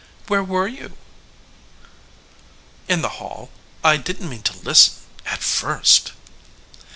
"Where were you?" "In the hall. I didn't mean to listen at first."